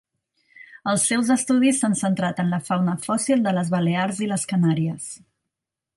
Els seus estudis s'han centrat en la fauna fòssil de les Balears i les Canàries.